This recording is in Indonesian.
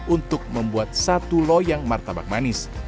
untuk membuat satu loyang martabak manis